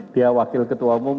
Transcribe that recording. dia wakil ketua umum